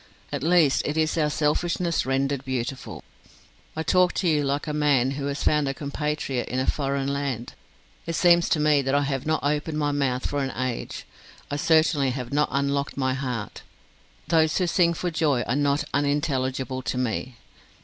At least it is our selfishness rendered beautiful. I talk to you like a man who has found a compatriot in a foreign land. It seems to me that I have not opened my mouth for an age. I certainly have not unlocked my heart. Those who sing for joy are not unintelligible to me.